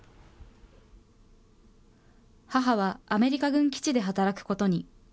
母はアメリカ軍基地で働くことに。